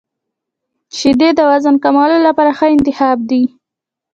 • شیدې د وزن کمولو لپاره ښه انتخاب دي.